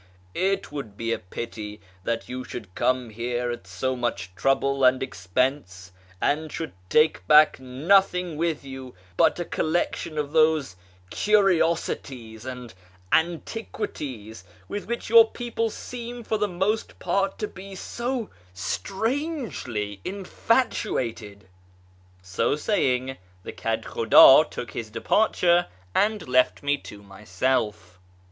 It would be a pity that you should come here at so much trouble and expense, and should take back nothing with you but a collection of those curiosities and antiquities with which your people seem for the most part to be so strangely in fatuated." So saying, the Kedhhudd took his departure and left me to myself.